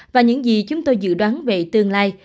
và những gì chúng tôi dự đoán về tương lai